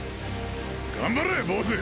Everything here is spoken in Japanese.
頑張れ坊主！